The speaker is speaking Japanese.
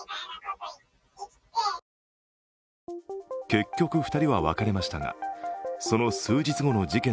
結局２人は別れましたがその数日後の事件